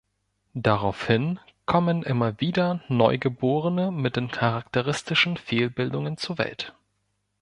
Daraufhin kommen immer wieder Neugeborene mit den charakteristischen Fehlbildungen zur Welt.